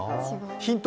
ヒント